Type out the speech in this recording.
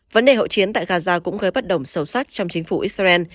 vấn đề hậu chiến tại gaza cũng gây bất đồng sâu sát trong chính phủ israel